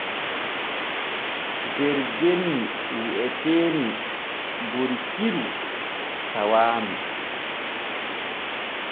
Der genni wi'eteeni Borikiru tawaami.